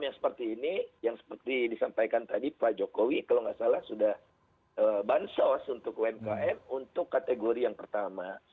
yang seperti ini yang seperti disampaikan tadi pak jokowi kalau nggak salah sudah bansos untuk umkm untuk kategori yang pertama